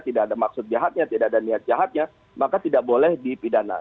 tidak ada maksud jahatnya tidak ada niat jahatnya maka tidak boleh dipidana